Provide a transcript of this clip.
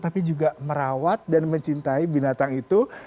tapi juga merawat dan mencintai binatang itu